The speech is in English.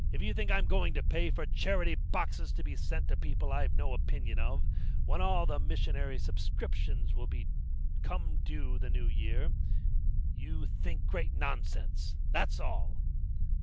If you think I'm going to pay for charity boxes to be sent to people I've no opinion of, when all the missionary subscriptions will be due come the new year, you think great nonsense, that's all."